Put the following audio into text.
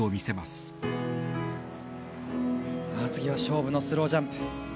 さあ、次は勝負のスロージャンプ。